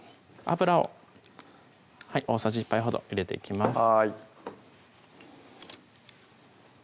油を大さじ１杯ほど入れていきます